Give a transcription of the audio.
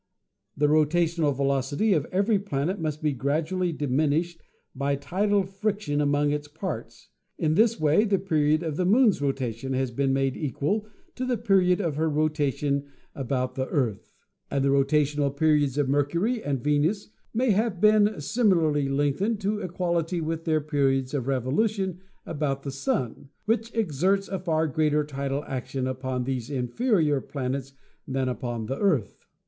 The ro tational velocity of every planet must be gradually diminished by tidal friction among its parts. In this way the period of the Moon's rotation has been made equal to the period of her rotation about the Earth, and the rota tional periods of Mercury and Venus may have been simi 146 ASTRONOMY larly lengthened to equality with their periods of revolu tion about the Sun, which exerts a far greater tidal action upon these inferior planets than upon the Earth.